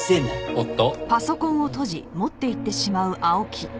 おっと。